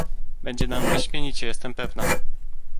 "będzie nam wyśmienicie, jestem pewna!"